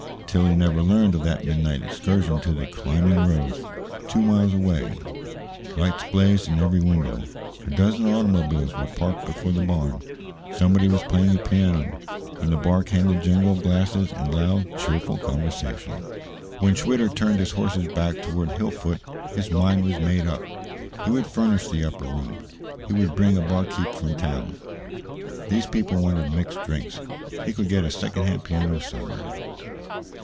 Tillie never learned of that midnight excursion to the "Climbing Rose," two miles away. Lights blazed in every window; a dozen automobiles were parked before the barn. Somebody was playing a piano. From the bar came the jingle of glasses and loud, cheerful conversation. When Schwitter turned the horse's head back toward Hillfoot, his mind was made up. He would furnish the upper rooms; he would bring a barkeeper from town these people wanted mixed drinks; he could get a second hand piano somewhere.